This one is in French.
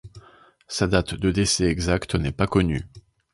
Sa date de décès exacte n'est pas connue.